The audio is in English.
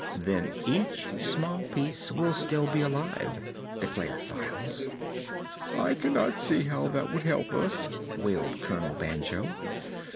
"Then each small piece will still be alive," declared Files. "I cannot see how that would help us," wailed Colonel Banjo.